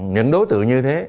những đối tượng như thế